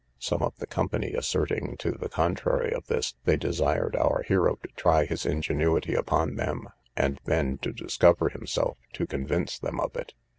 Some of the company asserting to the contrary of this, they desired our hero to try his ingenuity upon them, and then to discover himself, to convince them of it.